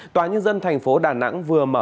tòa nhân dân tp đà nẵng vừa mở